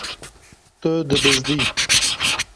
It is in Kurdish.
Tu dibizdî.